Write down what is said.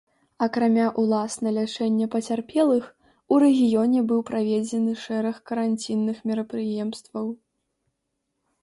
Акрамя ўласна лячэння пацярпелых, у рэгіёне быў праведзены шэраг каранцінных мерапрыемстваў.